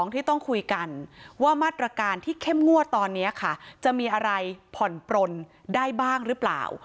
ที่ต้องคุยกันว่ามาตรการที่เข้มงวดตอนนี้ค่ะจะมีอะไรผ่อนปลนได้บ้างหรือเปล่า